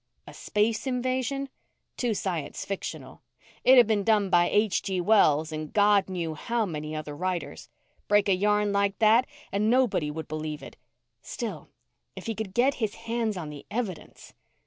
A space invasion? Too science fictional. It had been done by H. G. Wells and God knew how many other writers. Break a yarn like that and nobody would believe it. Still, if he could get his hands on the evidence.